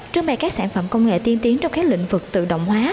trưng bày các sản phẩm công nghệ tiên tiến trong các lĩnh vực tự động hóa